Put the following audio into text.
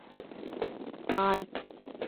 დრომოსი მიწითა და რიყის ქვით იყო ამოვსებული.